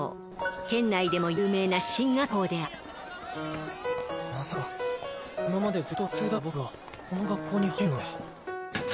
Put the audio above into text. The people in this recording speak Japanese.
県内でも有名な進学校である只野：まさか今までずっと普通だった僕がこの学校に入れるなんて。